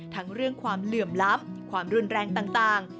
เรื่องความเหลื่อมล้ำความรุนแรงต่าง